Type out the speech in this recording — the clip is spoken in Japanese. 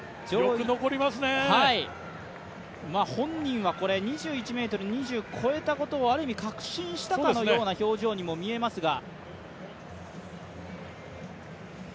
本人は２１ｍ２０超えたことをある意味、確信したかのような表情に見えますが。